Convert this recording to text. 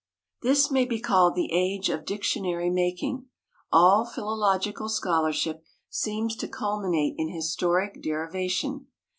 This may be called the age of dictionary making. All philological scholarship seems to culminate in historic derivation.